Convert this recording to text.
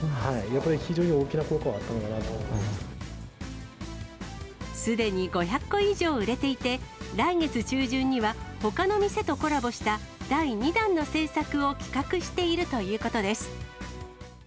やっぱり非常に大きな効果はあっすでに５００個以上売れていて、来月中旬には、ほかの店とコラボした第２弾の制作を企画しているということです。